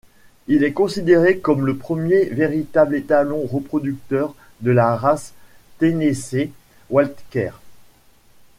Il est considéré comme le premier véritable étalon reproducteur de la race Tennessee Walker.